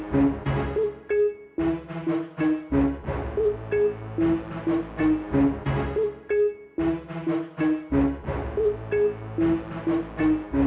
jualan cilok aja kayak ubet